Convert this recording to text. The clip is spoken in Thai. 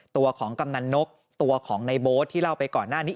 ตัวของกำนันนกตัวของในโบ๊ทที่เล่าไปก่อนหน้านี้